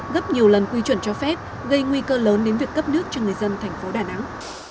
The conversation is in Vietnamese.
gấp nhiều lần quy chuẩn cho phép gây nguy cơ lớn đến việc cấp nước cho người dân thành phố đà nẵng